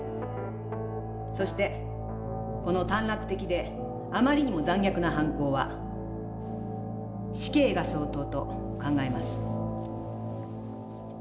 そしてこの短絡的であまりにも残虐な犯行は死刑が相当と考えます」。